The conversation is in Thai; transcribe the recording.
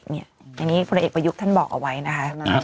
อันนี้พลเอกประยุทธ์ท่านบอกเอาไว้นะคะ